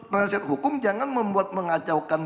penasihat hukum jangan membuat mengacaukan